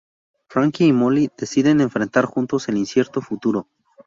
Frankie y Molly deciden enfrentar juntos el incierto futuro.